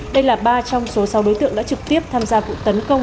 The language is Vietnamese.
đây là ba trong số sáu đối tượng đã trực tiếp tham gia vụ tấn công